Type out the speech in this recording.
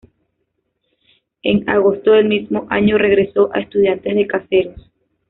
En agosto del mismo año regresó a Estudiantes de Caseros.